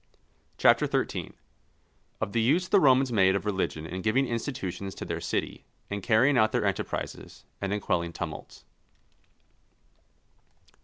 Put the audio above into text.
CHAPTER XIII.—_Of the use the Romans made of Religion in giving Institutions to their City, in carrying out their Enterprises, and in quelling Tumults.